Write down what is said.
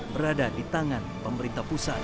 berada di tangan pemerintah pusat